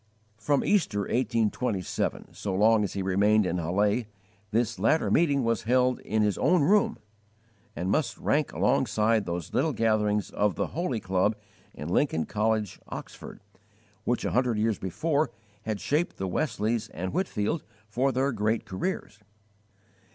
From Easter, 1827, so long as he remained in Halle, this latter meeting was held in his own room, and must rank alongside those little gatherings of the "Holy Club" in Lincoln College, Oxford, which a hundred years before had shaped the Wesleys and Whitefield for their great careers.